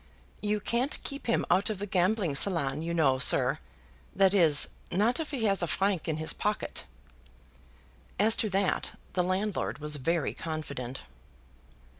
"You can't keep him out of the gambling salon, you know, sir; that is, not if he has a franc in his pocket." As to that the landlord was very confident.